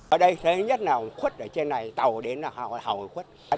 ở đây thế nhất là hồ khuất ở trên này tàu đến là hồ khuất